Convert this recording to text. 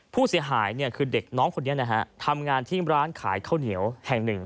ผู้เสียหายเนี่ยคือเด็กน้องคนนี้นะฮะทำงานที่ร้านขายข้าวเหนียวแห่งหนึ่ง